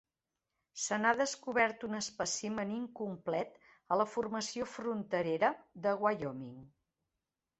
Se n'ha descobert un espècimen incomplet a la formació fronterera de Wyoming.